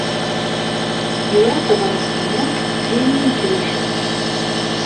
Yura tabṛat-nni s yimru n tricet.